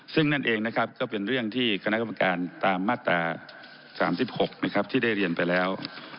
ซึ่งนั่นเองก็เป็นเรื่องที่นางกรรมการตามมาตรา๓๖ที่ได้เรียนไปแล้ว